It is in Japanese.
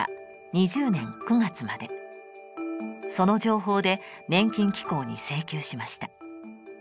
その情報で年金機構に請求しました。